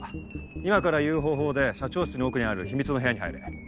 今から言う方法で社長室の奥にある秘密の部屋に入れ。